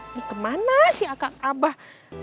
ini kemana sih akang abah